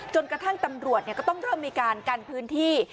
จนกระทั่งตำรวจก็ต้องเริ่มมีการกันพื้นที่